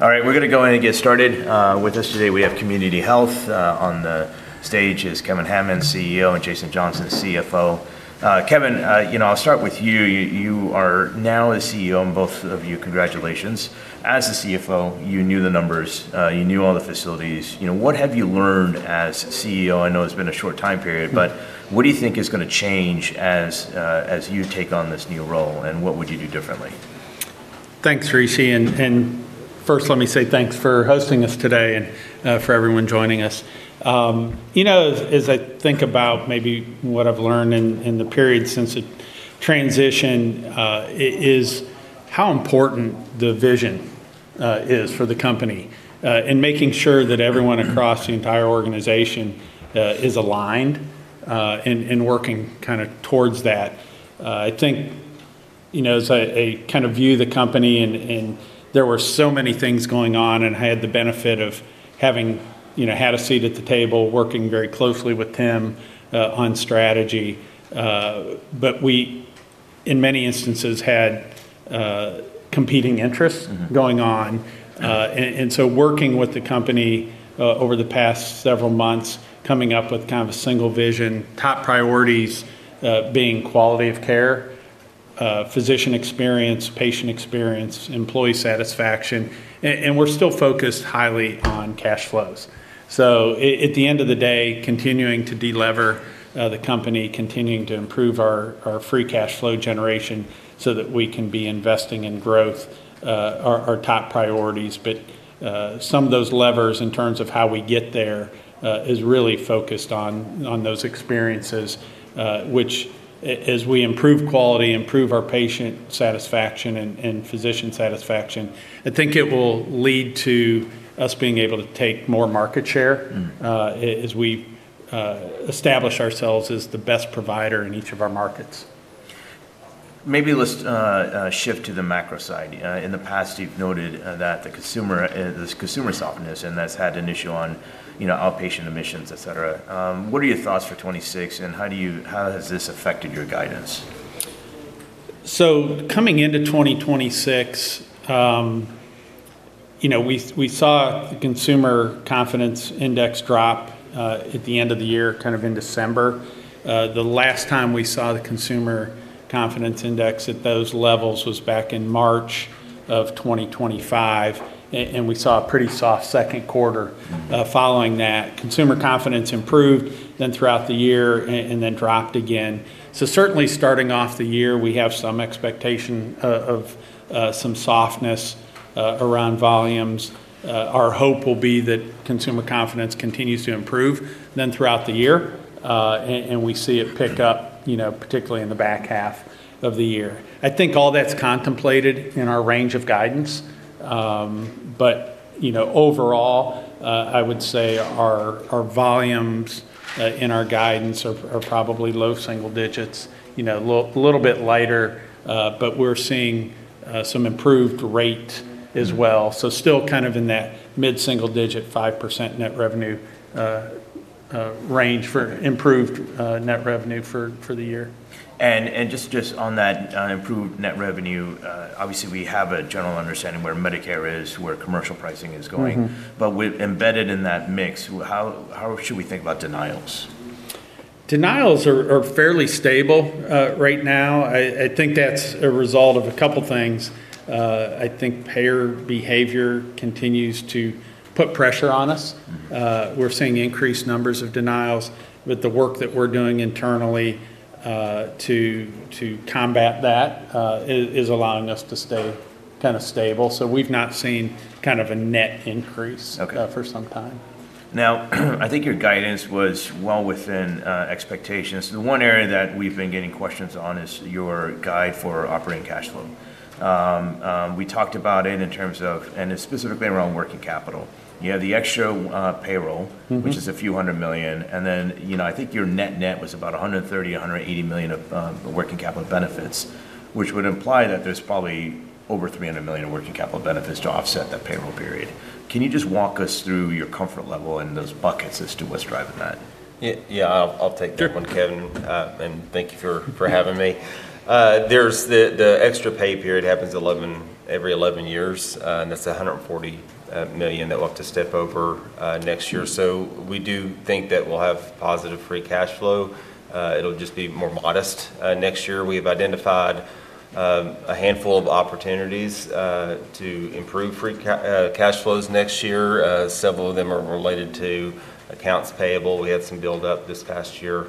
All right, we're gonna go in and get started. With us today we have Community Health. On the stage is Kevin Hammons, CEO, and Tim Hingtgen, former CEO. Kevin, you know, I'll start with you. You are now a CEO, and both of you, congratulations. As a CFO, you knew the numbers, you knew all the facilities. You know, what have you learned as CEO? I know it's been a short time period, but what do you think is gonna change as you take on this new role, and what would you do differently? Thanks, Rishi. First let me say thanks for hosting us today and for everyone joining us. You know, as I think about maybe what I've learned in the period since the transition, is how important the vision is for the company in making sure that everyone across the entire organization is aligned in working kinda towards that. I think, you know, as I kind of view the company and there were so many things going on, and I had the benefit of having, you know, had a seat at the table working very closely with Tim on strategy. We, in many instances, had competing interests. Mm-hmm... going on. Working with the company over the past several months, coming up with kind of a single vision, top priorities, being quality of care, physician experience, patient experience, employee satisfaction, and we're still focused highly on cash flows. At the end of the day, continuing to delever the company, continuing to improve our free cash flow generation so that we can be investing in growth, are top priorities. Some of those levers in terms of how we get there, is really focused on those experiences, which as we improve quality, improve our patient satisfaction and physician satisfaction, I think it will lead to us being able to take more market share- Mm-hmm as we establish ourselves as the best provider in each of our markets. Maybe let's shift to the macro side. In the past, you've noted that the consumer, this consumer softness, and that's had an issue on, you know, outpatient emissions, et cetera. What are your thoughts for 2026, and how has this affected your guidance? Coming into 2026, you know, we saw the Consumer Confidence Index drop at the end of the year, kind of in December. The last time we saw the Consumer Confidence Index at those levels was back in March of 2025, and we saw a pretty soft second quarter following that. Consumer confidence improved then throughout the year, and then dropped again. Certainly starting off the year, we have some expectation of some softness around volumes. Our hope will be that consumer confidence continues to improve then throughout the year, and we see it pick up, you know, particularly in the back half of the year. I think all that's contemplated in our range of guidance, but, you know, overall, I would say our volumes and our guidance are probably low single digits, you know, little bit lighter, but we're seeing some improved rate as well. Still kind of in that mid-single digit, 5% net revenue range for improved net revenue for the year. Just on that, on improved net revenue, obviously we have a general understanding where Medicare is, where commercial pricing is going. Mm-hmm. With embedded in that mix, how should we think about denials? Denials are fairly stable, right now. I think that's a result of a couple things. I think payer behavior continues to put pressure on us. We're seeing increased numbers of denials, but the work that we're doing internally, to combat that, is allowing us to stay kinda stable. We've not seen kind of a net increase-. Okay... for some time. I think your guidance was well within expectations. The one area that we've been getting questions on is your guide for operating cash flow. We talked about it in terms of, it's specifically around working capital. You know, the extra payroll- Mm-hmm... which is a few hundred million, and then, you know, I think your net-net was about $130, $180 million of working capital benefits, which would imply that there's probably over $300 million in working capital benefits to offset that payroll period. Can you just walk us through your comfort level in those buckets as to what's driving that? Yeah. I'll take that one, Kevin. Thank you for having me. There's the extra pay period happens every 11 years, that's $140 million that we'll have to step over next year. We do think that we'll have positive free cash flow. It'll just be more modest next year. We have identified a handful of opportunities to improve cash flows next year. Several of them are related to accounts payable. We had some build up this past year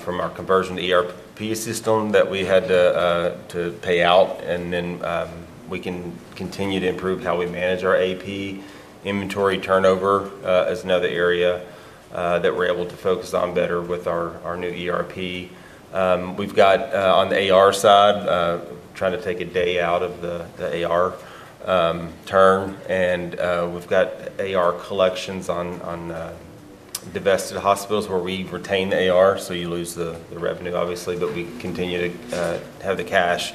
from our conversion to ERP system that we had to pay out, we can continue to improve how we manage our AP. Inventory turnover is another area that we're able to focus on better with our new ERP. We've got on the AR side trying to take a day out of the AR term. We've got AR collections on divested hospitals where we retain the AR, so you lose the revenue obviously, but we continue to have the cash.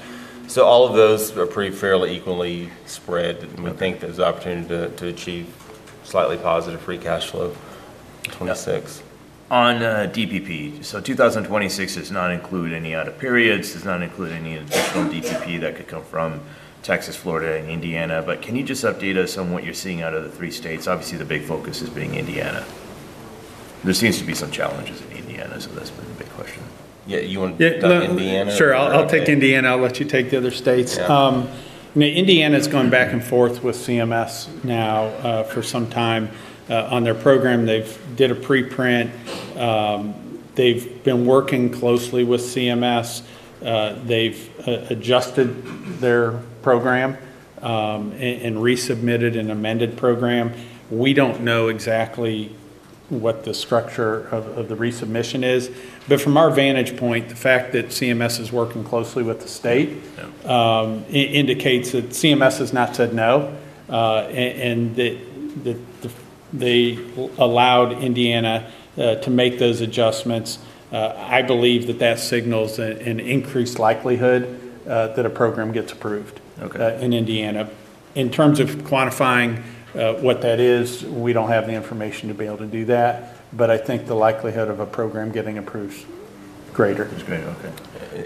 All of those are pretty fairly equally spread. We think there's opportunity to achieve slightly positive free cash flow. 2026. On DPP. 2026 does not include any out-of-periods. Does not include any additional DPP that could come from Texas, Florida, and Indiana. Can you just update us on what you're seeing out of the three states? Obviously, the big focus is being Indiana. There seems to be some challenges in Indiana, that's been a big question. Yeah, you want to talk Indiana? Yeah. No. Sure. Okay. I'll take Indiana. I'll let you take the other states. Yeah. I mean, Indiana's gone back and forth with CMS now, for some time, on their program. They've did a pre-print. They've been working closely with CMS. They've adjusted their program, and resubmitted an amended program. We don't know exactly what the structure of the resubmission is. From our vantage point, the fact that CMS is working closely with the state- Yeah... indicates that CMS has not said no. That the, they allowed Indiana to make those adjustments. I believe that that signals an increased likelihood that a program gets approved. Okay... in Indiana. In terms of quantifying, what that is, we don't have the information to be able to do that. I think the likelihood of a program getting approved's greater. Is greater.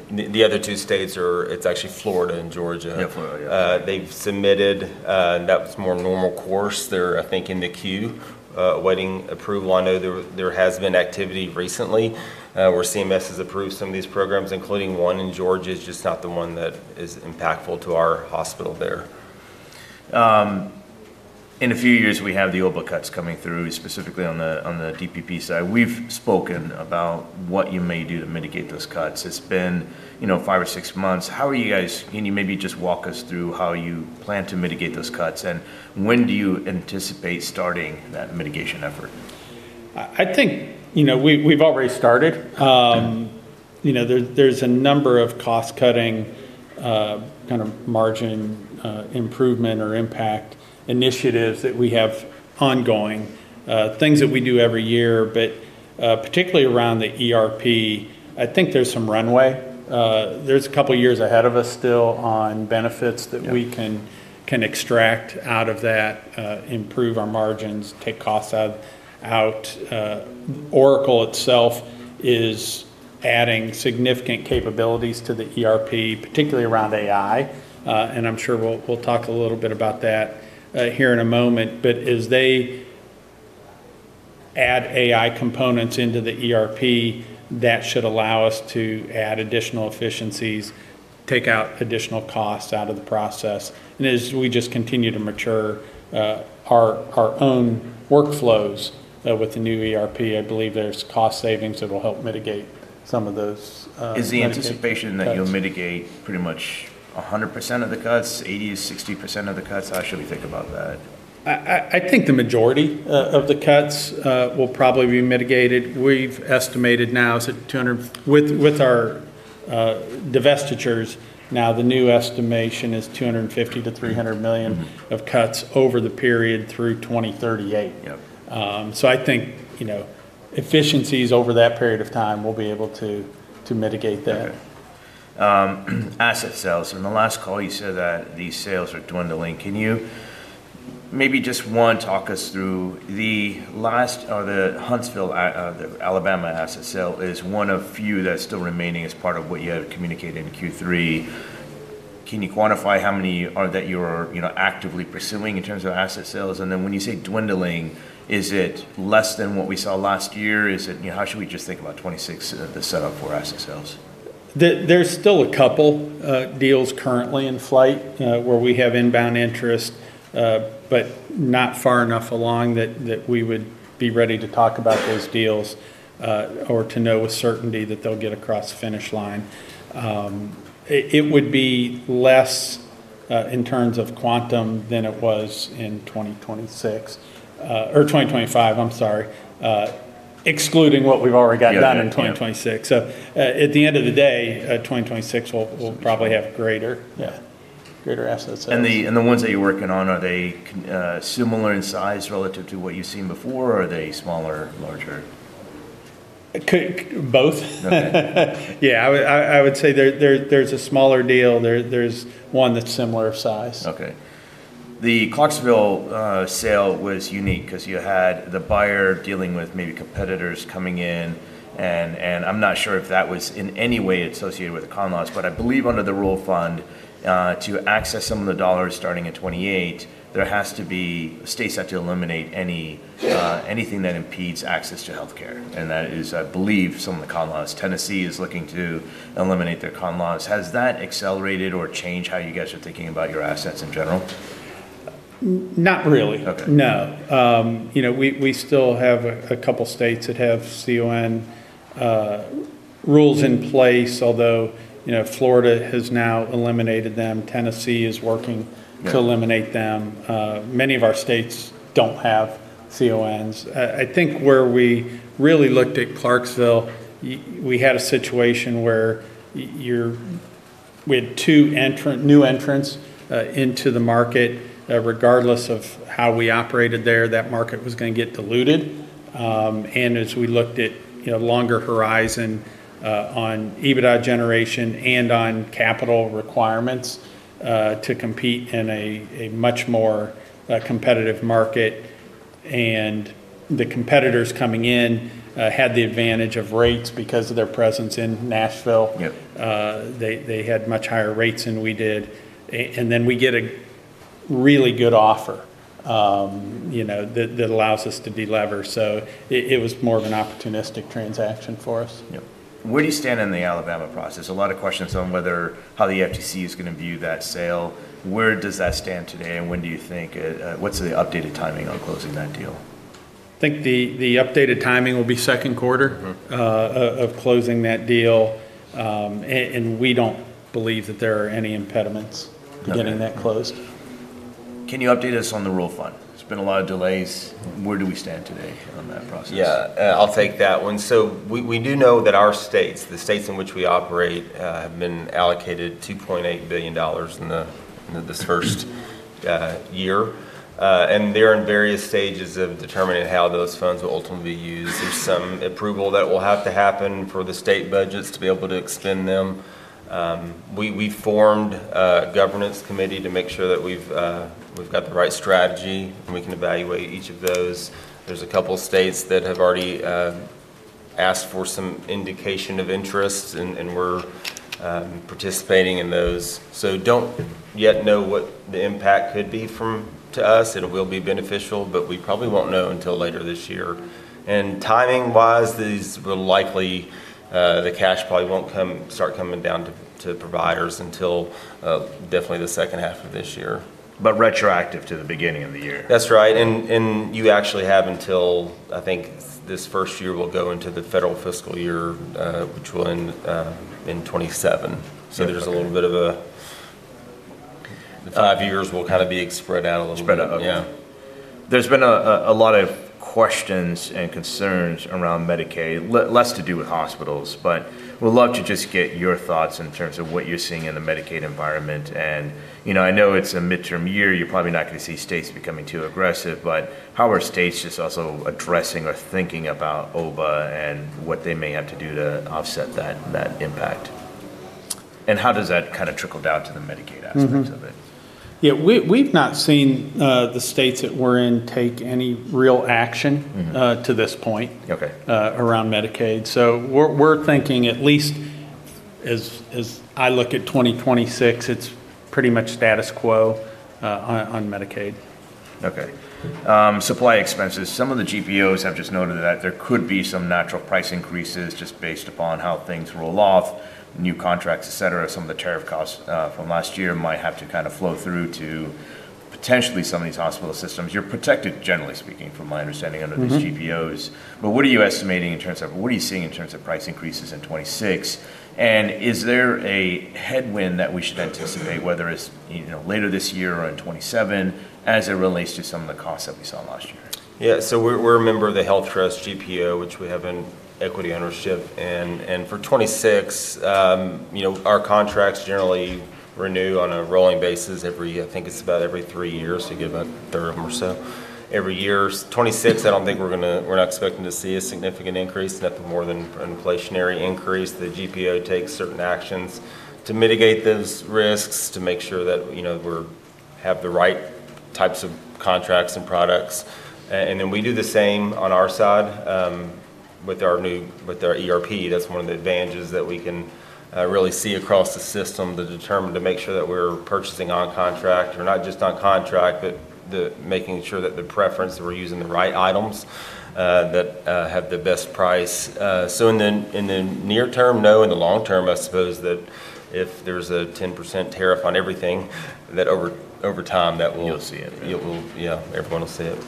Okay. The other two states it's actually Florida and Georgia. Yeah, Florida. Yeah. They've submitted, and that was more normal course. They're, I think, in the queue, awaiting approval. I know there has been activity recently, where CMS has approved some of these programs, including one in Georgia. It's just not the one that is impactful to our hospital there. In a few years, we have the DSH cuts coming through, specifically on the DPP side. We've spoken about what you may do to mitigate those cuts. It's been, you know, five or six months. Can you maybe just walk us through how you plan to mitigate those cuts, and when do you anticipate starting that mitigation effort? I think, you know, we've already started. You know, there's a number of cost-cutting, kind of margin, improvement or impact initiatives that we have ongoing, things that we do every year. Particularly around the ERP, I think there's some runway. There's a couple years ahead of us still on benefits that we. Yeah... can extract out of that, improve our margins, take costs out. Oracle itself is adding significant capabilities to the ERP, particularly around AI. I'm sure we'll talk a little bit about that here in a moment. As they add AI components into the ERP, that should allow us to add additional efficiencies, take out additional costs out of the process. As we just continue to mature our own workflows with the new ERP, I believe there's cost savings that will help mitigate some of those mitigation cuts. Is the anticipation that you'll mitigate pretty much 100% of the cuts, 80%, 60% of the cuts? How should we think about that? I think the majority- Okay of the cuts will probably be mitigated. We've estimated now. With our divestitures, now the new estimation is $250 million-$300 million. Mm-hmm... of cuts over the period through 2038. Yep. I think, you know, efficiencies over that period of time, we'll be able to mitigate that. Okay. Asset sales. In the last call, you said that these sales are dwindling. Can you maybe just, one, talk us through the Alabama asset sale is one of few that's still remaining as part of what you had communicated in Q3. Can you quantify how many that you're, you know, actively pursuing in terms of asset sales? When you say dwindling, is it less than what we saw last year? Is it, you know, how should we just think about 2026, the setup for asset sales? There's still a couple deals currently in flight where we have inbound interest but not far enough along that we would be ready to talk about those deals or to know with certainty that they'll get across the finish line. It would be less in terms of quantum than it was in 2026 or 2025, I'm sorry, excluding what we've already gotten done... Got it. Yeah.... in 2026. At the end of the day, 2026, we'll probably have. Yeah... greater asset sales. The ones that you're working on, are they similar in size relative to what you've seen before, or are they smaller, larger? Both. Okay. Yeah. I would say there's a smaller deal. There's one that's similar size. Okay. The Clarksville sale was unique 'cause you had the buyer dealing with maybe competitors coming in, and I'm not sure if that was in any way associated with the CON laws. I believe under the Rural Fund, to access some of the dollars starting in 2028, the state has to eliminate any anything that impedes access to healthcare. That is, I believe, some of the CON laws. Tennessee is looking to eliminate their CON laws. Has that accelerated or changed how you guys are thinking about your assets in general? Not really. Okay. No. you know, we still have a couple states that have CON rules in place, although, you know, Florida has now eliminated them. Tennessee is working- Yeah to eliminate them. many of our states don't have CONs. I think where we really looked at Clarksville, we had a situation where we had two entrant, new entrants, into the market. regardless of how we operated there, that market was gonna get diluted. as we looked at, you know, longer horizon, on EBITDA generation and on capital requirements, to compete in a much more, competitive market. The competitors coming in, had the advantage of rates because of their presence in Nashville. Yep. They had much higher rates than we did. Then we get a really good offer, you know, that allows us to delever. It was more of an opportunistic transaction for us. Yep. Where do you stand in the Alabama process? A lot of questions on whether how the FTC is gonna view that sale. Where does that stand today, and when do you think it, what's the updated timing on closing that deal? I think the updated timing will be second quarter. Mm-hmm... of closing that deal. We don't believe that there are any impediments. Okay... to getting that closed. Can you update us on the Rural Fund? There's been a lot of delays. Where do we stand today on that process? Yeah. I'll take that one. We do know that our states, the states in which we operate, have been allocated $2.8 billion in this first year. They're in various stages of determining how those funds will ultimately be used. There's some approval that will have to happen for the state budgets to be able to extend them. We formed a governance committee to make sure that we've got the right strategy, and we can evaluate each of those. There's a couple states that have already asked for some indication of interest, and we're participating in those. Don't yet know what the impact could be to us. It will be beneficial, but we probably won't know until later this year. Timing-wise, these will likely, the cash probably won't start coming down to providers until definitely the second half of this year. Retroactive to the beginning of the year. That's right. You actually have until, I think, this first year will go into the federal fiscal year, which will end in 2027. Okay. there's a little bit of a... The five years will kind of be spread out a little more. Spread out. Yeah. There's been a lot of questions and concerns around Medicaid. Less to do with hospitals, but would love to just get your thoughts in terms of what you're seeing in the Medicaid environment. You know, I know it's a midterm year. You're probably not gonna see states becoming too aggressive. How are states just also addressing or thinking about OBHA and what they may have to do to offset that impact? How does that kinda trickle down to the Medicaid aspects of it? Yeah. We've not seen, the states that we're in take any real action. Mm-hmm..., to this point Okay... around Medicaid. We're thinking, at least as I look at 2026, it's pretty much status quo, on Medicaid. Supply expenses. Some of the GPOs have just noted that there could be some natural price increases just based upon how things roll off, new contracts, et cetera. Some of the tariff costs from last year might have to kinda flow through to potentially some of these hospital systems. You're protected, generally speaking, from my understanding under these GPOs. Mm-hmm. What are you estimating in terms of, what are you seeing in terms of price increases in 2026? Is there a headwind that we should anticipate, whether it's, you know, later this year or in 2027, as it relates to some of the costs that we saw last year? We're a member of the HealthTrust GPO, which we have in equity ownership. For 2026, you know, our contracts generally renew on a rolling basis every three years. We get about a third of them or so every year. 2026, I don't think we're not expecting to see a significant increase, nothing more than an inflationary increase. The GPO takes certain actions to mitigate those risks to make sure that, you know, have the right types of contracts and products. Then we do the same on our side, with our ERP. That's one of the advantages that we can really see across the system to make sure that we're purchasing on contract. We're not just on contract, but the, making sure that the preference, that we're using the right items, that have the best price. In the, in the near term, no. In the long term, I suppose that if there's a 10% tariff on everything, that over time, that will- You'll see it. Yeah.... it will, yeah, everyone will see it.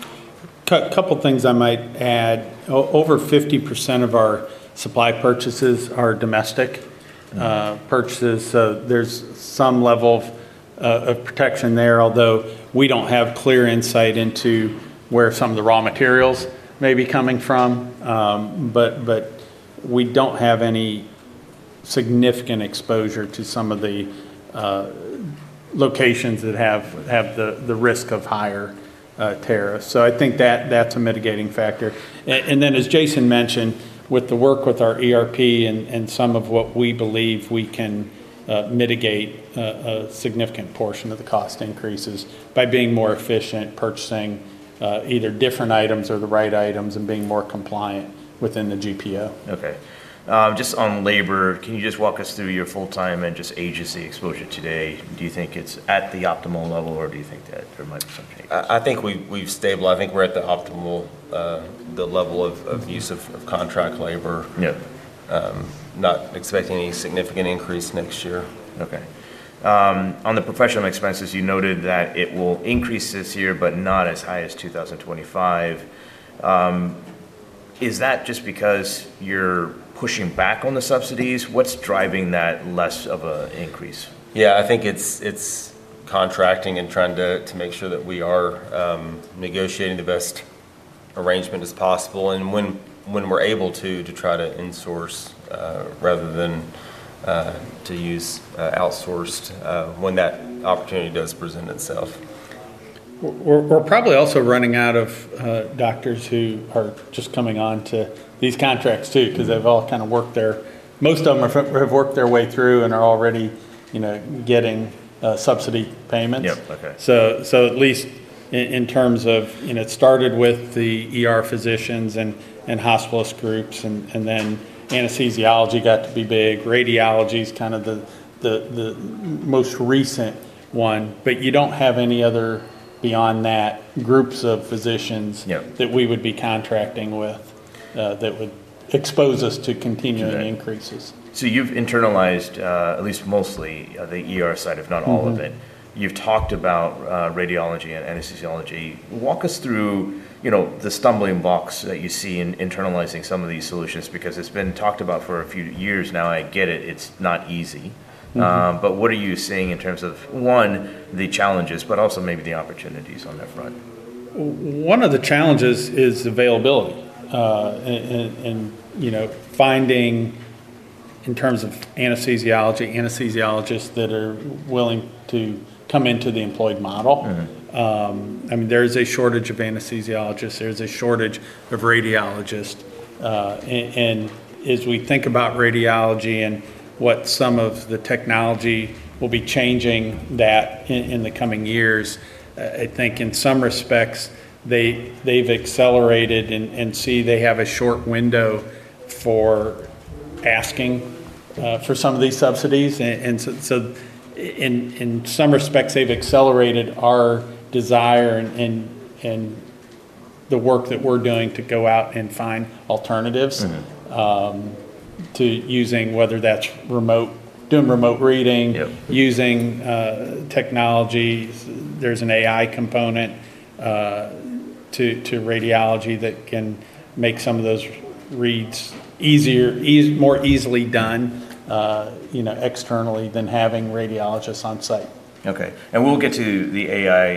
Couple things I might add. Over 50% of our supply purchases are domestic purchases, so there's some level of protection there, although we don't have clear insight into where some of the raw materials may be coming from. We don't have any significant exposure to some of the locations that have the risk of higher tariffs. I think that's a mitigating factor. Then as Tim Hingtgen mentioned, with the work with our ERP and some of what we believe we can mitigate a significant portion of the cost increases by being more efficient, purchasing either different items or the right items and being more compliant within the GPO. Okay. just on labor, can you just walk us through your full-time and just agency exposure today? Do you think it's at the optimal level, or do you think that there might be some changes? I think we've stable. I think we're at the optimal, the level of use of contract labor. Yep. Not expecting any significant increase next year. Okay. On the professional expenses, you noted that it will increase this year, but not as high as 2025. Is that just because you're pushing back on the subsidies? What's driving that less of a increase? I think it's contracting and trying to make sure that we are negotiating the best arrangement as possible, and when we're able to try to insource, rather than to use outsourced, when that opportunity does present itself. We're probably also running out of doctors who are just coming on to these contracts too, 'cause they've all kinda worked their. Most of them have worked their way through and are already, you know, getting subsidy payments. Yep. Okay. At least in terms of, you know, it started with the ER physicians and hospitalist groups and then anesthesiology got to be big. Radiology's kind of the most recent one. You don't have any other beyond that groups of physicians. Yep... that we would be contracting with, that would expose us to continuing increases. You've internalized, at least mostly, the ER side, if not all of it. Mm-hmm. You've talked about radiology and anesthesiology. Walk us through, you know, the stumbling blocks that you see in internalizing some of these solutions, because it's been talked about for a few years now? I get it. It's not easy. Mm-hmm. What are you seeing in terms of, one, the challenges, but also maybe the opportunities on that front? One of the challenges is availability. And, you know, finding, in terms of anesthesiology, anesthesiologists that are willing to come into the employed model. Mm-hmm. I mean, there is a shortage of anesthesiologists. There's a shortage of radiologists. As we think about radiology and what some of the technology will be changing that in the coming years, I think in some respects they've accelerated and see they have a short window for asking for some of these subsidies. In some respects, they've accelerated our desire and the work that we're doing to go out and find alternatives. Mm-hmm ... to using, whether that's remote, doing remote reading. Yep... using technology. There's an AI component to radiology that can make some of those reads more easily done, you know, externally than having radiologists on site. Okay. We'll get to the AI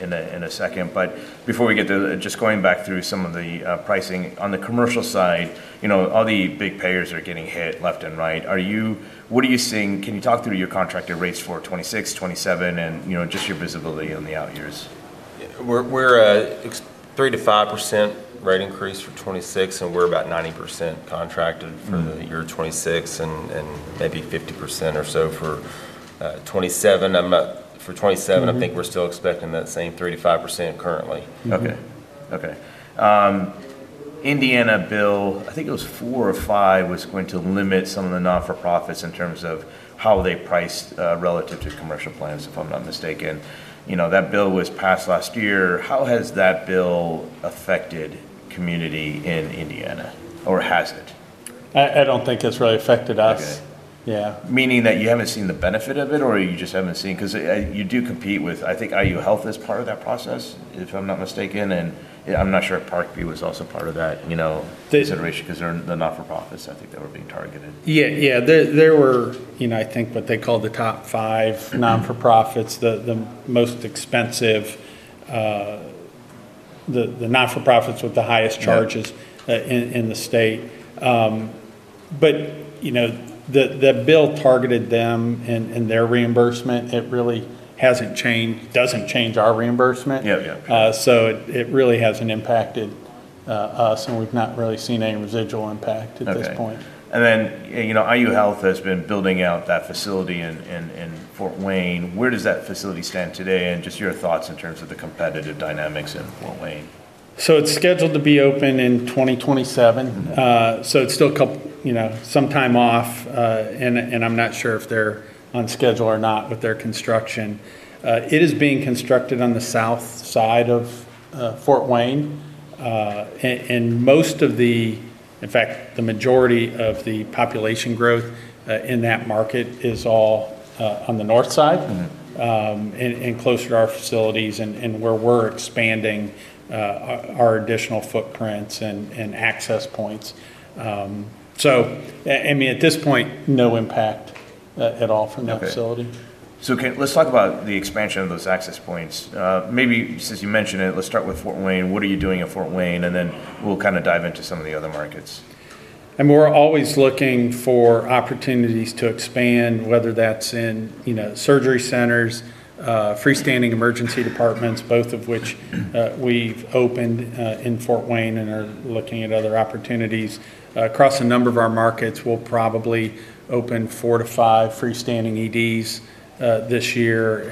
in a second, but before we get there, just going back through some of the pricing. On the commercial side, you know, all the big payers are getting hit left and right. What are you seeing? Can you talk through your contracted rates for 2026, 2027, and, you know, just your visibility on the out years? We're at a 3%-5% rate increase for 2026, and we're about 90% contracted. Mm-hmm... for the year 2026, and maybe 50% or so for 2027. Mm-hmm I think we're still expecting that same 3%-5% currently. Mm-hmm. Okay. Okay. Indiana Bill, I think it was four or five, was going to limit some of the not-for-profits in terms of how they price, relative to commercial plans, if I'm not mistaken. You know, that bill was passed last year. How has that bill affected Community in Indiana, or has it? I don't think it's really affected us. Okay. Yeah. Meaning that you haven't seen the benefit of it, or you just haven't seen, 'cause I, you do compete with, I think IU Health is part of that process, if I'm not mistaken. I'm not sure if Parkview was also part of that, you know. They-... consideration 'cause they're the not-for-profits I think that were being targeted. Yeah. Yeah. They were, you know, I think what they called the top five not-for-profits, the most expensive, the not-for-profits with the highest charges. Right... in the state. You know, the bill targeted them and their reimbursement. It really hasn't changed, doesn't change our reimbursement. Yeah. Yeah. It really hasn't impacted us, and we've not really seen any residual impact at this point. Okay. Then, you know, IU Health has been building out that facility in Fort Wayne. Where does that facility stand today? Just your thoughts in terms of the competitive dynamics in Fort Wayne. it's scheduled to be open in 2027. Mm-hmm. It's still, you know, some time off. I'm not sure if they're on schedule or not with their construction. It is being constructed on the south side of Fort Wayne. In fact, the majority of the population growth in that market is all on the north side. Mm-hmm... and closer to our facilities and where we're expanding, our additional footprints and access points. I mean, at this point, no impact at all from that facility. Okay, let's talk about the expansion of those access points. Maybe since you mentioned it, let's start with Fort Wayne. What are you doing at Fort Wayne? We'll kinda dive into some of the other markets. We're always looking for opportunities to expand, whether that's in, you know, surgery centers, freestanding emergency departments, both of which, we've opened in Fort Wayne and are looking at other opportunities. Across a number of our markets, we'll probably open four to five freestanding EDs, this year,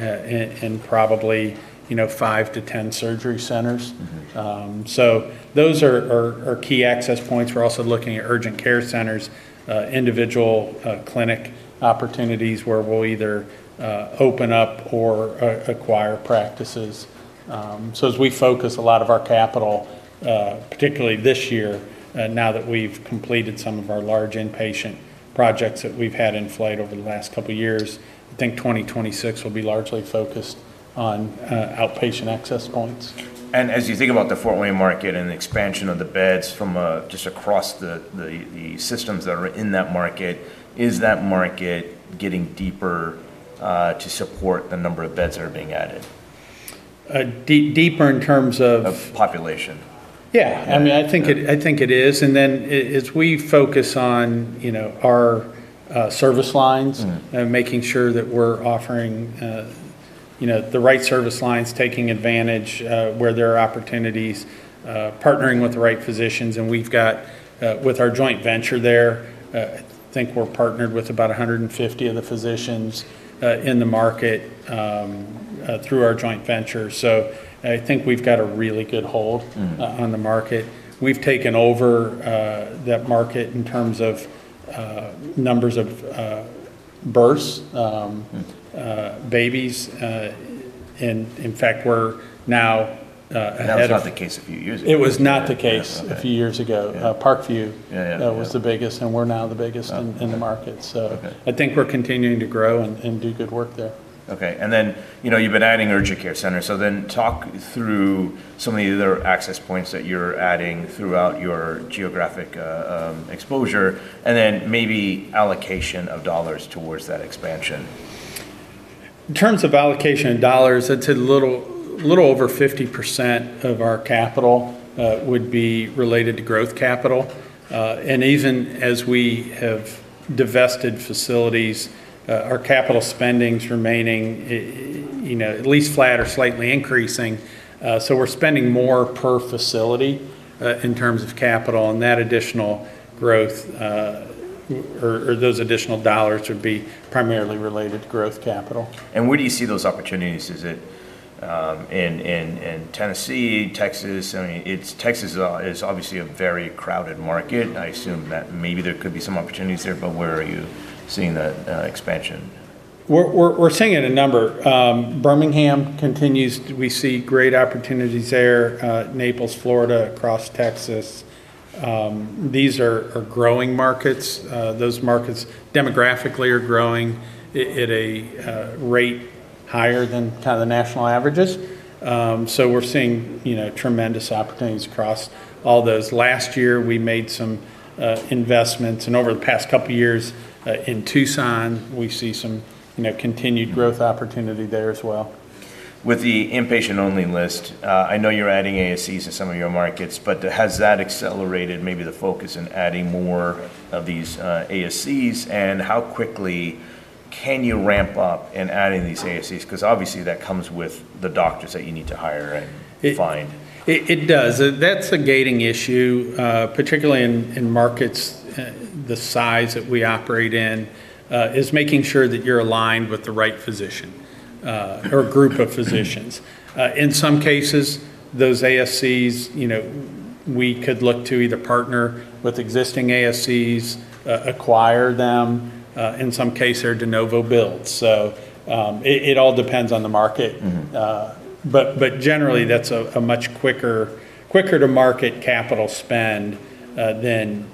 and probably, you know, five to 10 surgery centers. Mm-hmm. Those are key access points. We're also looking at urgent care centers, individual, clinic opportunities where we'll either open up or acquire practices. As we focus a lot of our capital, particularly this year, now that we've completed some of our large inpatient projects that we've had in flight over the last couple years, I think 2026 will be largely focused on outpatient access points. As you think about the Fort Wayne market and the expansion of the beds from, just across the, the systems that are in that market, is that market getting deeper, to support the number of beds that are being added? deeper in terms of. Of population Yeah. I mean, I think it is. As we focus on, you know, our, service lines. Mm-hmm... and making sure that we're offering, you know, the right service lines, taking advantage, where there are opportunities, partnering with the right physicians. We've got, with our joint venture there, I think we're partnered with about 150 of the physicians, in the market, through our joint venture. I think we've got a really good hold. Mm-hmm... on the market. We've taken over that market in terms of numbers of births. Mm... babies. In fact, we're now, That was not the case a few years ago. It was not the case. Yeah. Okay... a few years ago. Yeah. Parkview- Yeah, yeah... was the biggest, and we're now the biggest. Okay... in the market. Okay... I think we're continuing to grow and do good work there. Okay. You know, you've been adding urgent care centers, so then talk through some of the other access points that you're adding throughout your geographic exposure, and then maybe allocation of dollars towards that expansion. In terms of allocation of dollars, I'd say a little over 50% of our capital would be related to growth capital. Even as we have divested facilities, our capital spending's remaining, you know, at least flat or slightly increasing. We're spending more per facility in terms of capital, and that additional growth, or those additional dollars would be primarily related to growth capital. Where do you see those opportunities? Is it, in Tennessee, Texas? I mean, Texas is obviously a very crowded market. I assume that maybe there could be some opportunities there, but where are you seeing the expansion? We're seeing it in a number. Birmingham continues. We see great opportunities there. Naples, Florida, across Texas. These are growing markets. Those markets demographically are growing at a rate higher than kinda the national averages. We're seeing, you know, tremendous opportunities across all those. Last year, we made some investments, and over the past couple years, in Tucson, we see some, you know. Mm-hmm... growth opportunity there as well. With the inpatient-only list, I know you're adding ASCs in some of your markets, but has that accelerated maybe the focus in adding more of these ASCs? How quickly can you ramp up in adding these ASCs? 'Cause obviously that comes with the doctors that you need to hire and find. It does. That's a gating issue, particularly in markets, the size that we operate in, is making sure that you're aligned with the right physician, or group of physicians. In some cases, those ASCs, you know, we could look to either partner with existing ASCs, acquire them, in some case they're de novo builds. It all depends on the market. Mm-hmm. Generally, that's a much quicker to market capital spend than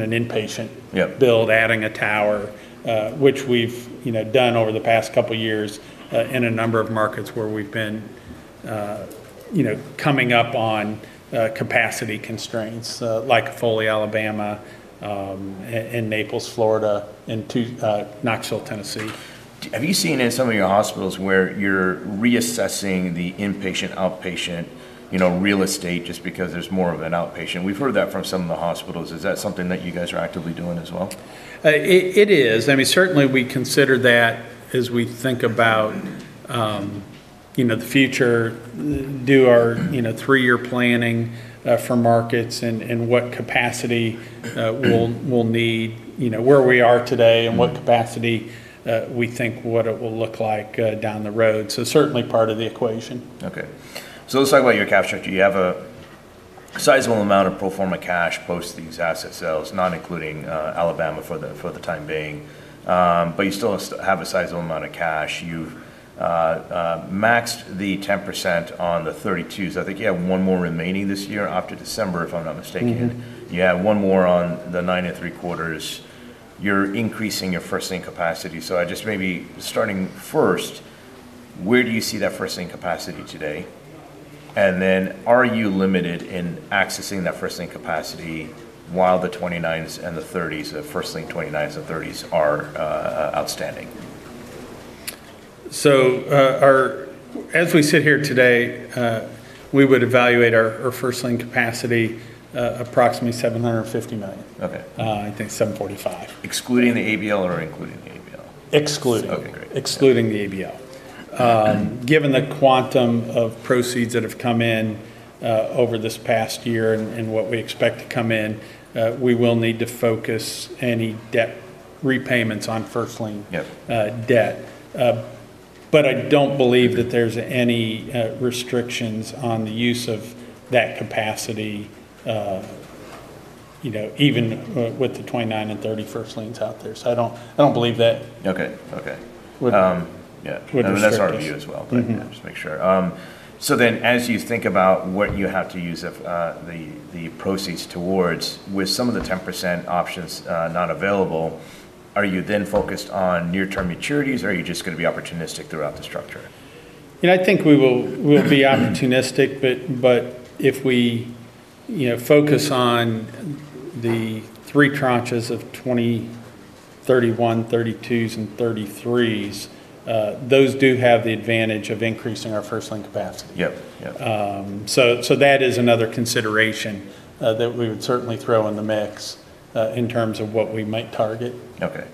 an inpatient... Yeah... build, adding a tower, which we've, you know, done over the past couple years, in a number of markets where we've been, you know, coming up on, capacity constraints, like Foley, Alabama, in Naples, Florida, and Knoxville, Tennessee. Have you seen in some of your hospitals where you're reassessing the inpatient/outpatient, you know, real estate just because there's more of an outpatient? We've heard that from some of the hospitals. Is that something that you guys are actively doing as well? it is. I mean, certainly we consider that as we think about, you know, the future, do our, you know, three-year planning, for markets and what capacity, we'll need, you know, where we are today and what capacity, we think what it will look like, down the road. Certainly part of the equation. Let's talk about your cap structure. You have a sizable amount of pro forma cash post these asset sales, not including Alabama for the time being. But you still have a sizable amount of cash. You've maxed the 10% on the 2032s. I think you have one more remaining this year after December, if I'm not mistaken. Mm-hmm. You have one more on the 9.75%. You're increasing your first lien capacity. I just maybe starting first, where do you see that first lien capacity today? Then are you limited in accessing that first lien capacity while the 2029s and the thirties, the first lien 2029s and thirties are outstanding? As we sit here today, we would evaluate our first lien capacity approximately $750 million. Okay. I think 745. Excluding the ABL or including the ABL? Excluding. Okay, great. Excluding the ABL. Given the quantum of proceeds that have come in, over this past year and what we expect to come in, we will need to focus any debt repayments on first lien. Yeah debt. I don't believe that there's any restrictions on the use of that capacity, you know, even with the 2029s and 30 first liens out there. I don't, I don't believe that. Okay. Okay.... would- Yeah.... would restrict us. I mean, that's our view as well. Mm-hmm. Yeah, just make sure. Then as you think about what you have to use of, the proceeds towards, with some of the 10% options, not available, are you then focused on near-term maturities, or are you just gonna be opportunistic throughout the structure? You know, I think we will, we'll be opportunistic, but if we, you know, focus on the three tranches of 2031, 2032s and 2033s, those do have the advantage of increasing our first lien capacity. Yep. Yeah. That is another consideration that we would certainly throw in the mix in terms of what we might target. Okay.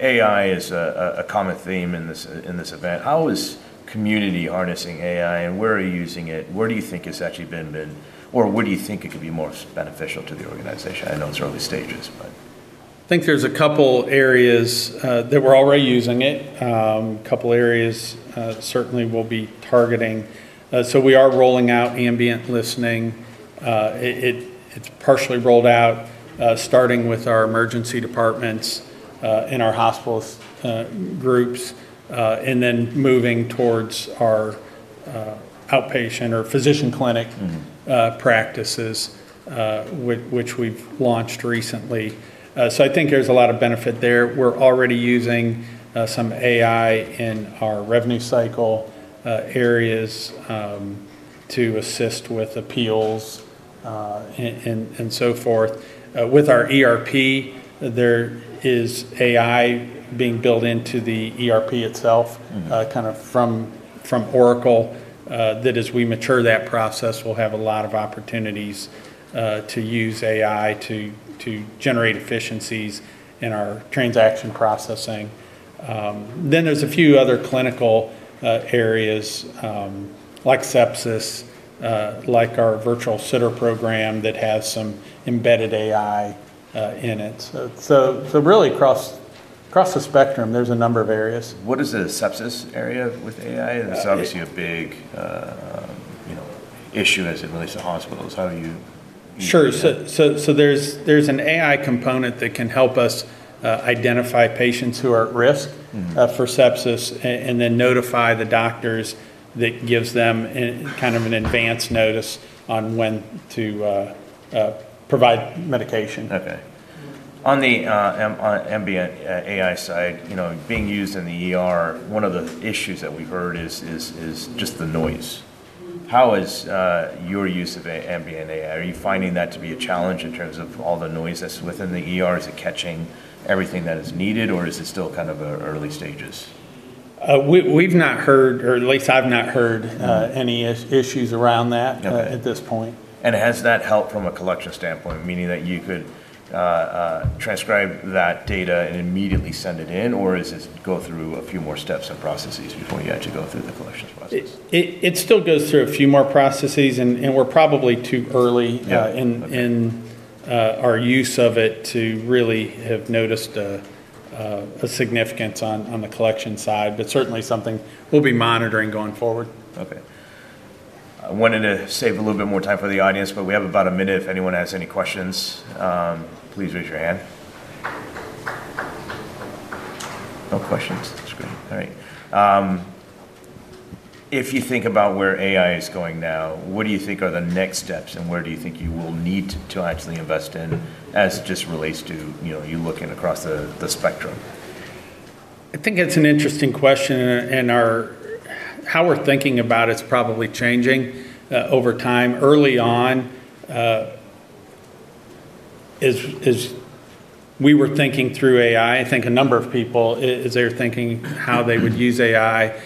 AI is a common theme in this event. How is Community harnessing AI and where are you using it? Where do you think it's actually been or where do you think it could be most beneficial to the organization? I know it's early stages, but. I think there's a couple areas that we're already using it. A couple areas certainly we'll be targeting. We are rolling out ambient listening. It's partially rolled out starting with our emergency departments in our hospitals groups and then moving towards our outpatient or physician clinic... Mm-hmm practices, which we've launched recently. I think there's a lot of benefit there. We're already using some AI in our revenue cycle areas to assist with appeals and so forth. With our ERP, there is AI being built into the ERP itself. Mm-hmm... kind of from Oracle, that as we mature that process, we'll have a lot of opportunities, to use AI to generate efficiencies in our transaction processing. There's a few other clinical areas, like sepsis, like our virtual sitter program that has some embedded AI in it. Really across the spectrum, there's a number of areas. What is the sepsis area with AI? Yeah. It's obviously a big, you know, issue as it relates to hospitals. How are you using that? Sure. There's an AI component that can help us identify patients who are at risk... Mm-hmm... for sepsis, and then notify the doctors. That gives them kind of an advance notice on when to provide medication. Okay. On the ambient AI side, you know, being used in the ER, one of the issues that we've heard is just the noise. How is your use of ambient AI? Are you finding that to be a challenge in terms of all the noise that's within the ER? Is it catching everything that is needed, or is it still kind of early stages? we've not heard, or at least I've not heard, any issues around that... Okay... at this point. Has that helped from a collection standpoint, meaning that you could transcribe that data and immediately send it in, or is it go through a few more steps and processes before you actually go through the collections process? It still goes through a few more processes, and we're probably too early. Yeah. Okay... in, our use of it to really have noticed, the significance on the collection side, but certainly something we'll be monitoring going forward. Okay. I wanted to save a little bit more time for the audience, but we have about a minute. If anyone has any questions, please raise your hand. No questions. That's great. All right. If you think about where AI is going now, what do you think are the next steps, and where do you think you will need to actually invest in as it just relates to, you know, you looking across the spectrum? I think it's an interesting question, and how we're thinking about it is probably changing over time. Early on, as we were thinking through AI, I think a number of people, as they were thinking how they would use AI,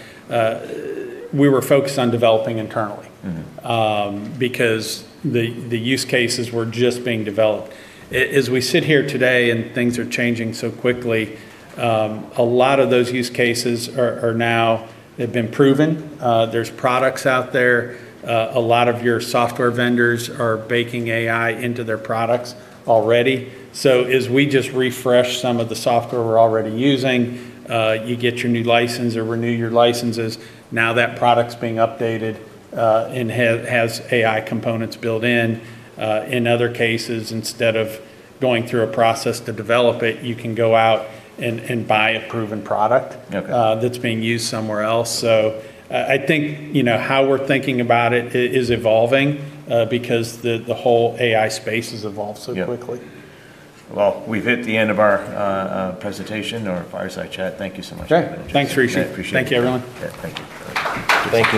we were focused on developing internally. Mm-hmm. Because the use cases were just being developed. As we sit here today and things are changing so quickly, a lot of those use cases are now have been proven. There's products out there. A lot of your software vendors are baking AI into their products already. As we just refresh some of the software we're already using, you get your new license or renew your licenses, now that product's being updated, and has AI components built in. In other cases, instead of going through a process to develop it, you can go out and buy a proven product. Okay... that's being used somewhere else. I think, you know, how we're thinking about it is evolving, because the whole AI space has evolved so quickly. Well, we've hit the end of our presentation or our fireside chat. Thank you so much. Okay. Thanks, Rishi. I appreciate it. Thank you, everyone. Yeah. Thank you. All right. Thank you.